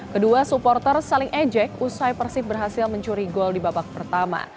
kedua supporter saling ejek usai persib berhasil mencuri gol di babak pertama